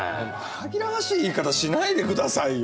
紛らわしい言い方しないで下さいよ。